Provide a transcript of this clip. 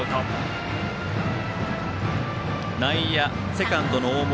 セカンドの大森。